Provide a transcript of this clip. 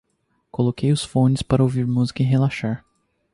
Coloquei os phones para ouvir música e relaxar.